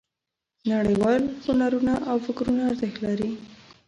نړیوال هنرونه او فکرونه ارزښت لري.